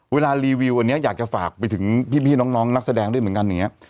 รีวิวอันนี้อยากจะฝากไปถึงพี่น้องนักแสดงด้วยเหมือนกันอย่างนี้